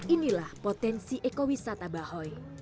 inilah potensi ekobisata bahoy